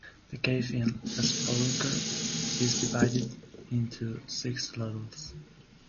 The cave in "Spelunker" is divided into six levels.